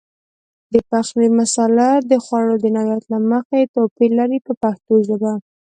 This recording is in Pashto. د پخلي مساله د خوړو د نوعیت له مخې توپیر لري په پښتو ژبه.